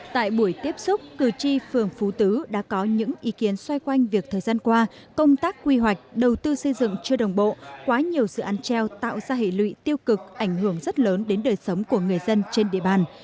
tại buổi tiếp xúc cử tri phường phú tứ đã có những ý kiến xoay quanh việc thời gian qua công tác quy hoạch đầu tư xây dựng chưa đồng bộ quá nhiều dự án treo tạo ra hệ lụy tiêu cực ảnh hưởng rất lớn đến đời sống của người dân trên địa bàn